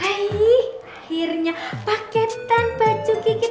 akhirnya paketan baju gigit